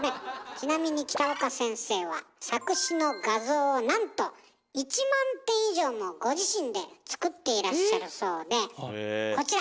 ちなみに北岡先生は錯視の画像をなんと１万点以上もご自身で作っていらっしゃるそうでこちら！